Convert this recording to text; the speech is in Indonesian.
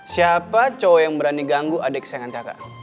siapa cowok yang berani ganggu adik sayang anti hk